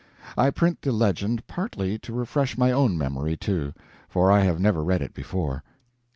I print the legend partly to refresh my own memory, too, for I have never read it before.